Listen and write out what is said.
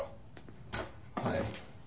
「はい」